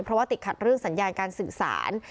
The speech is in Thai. เพราะว่าติดขัดเรื่องสัญญาการสื่อสาร